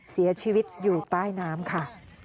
เสียชีวิตอยู่ใต้น้ำค่ะ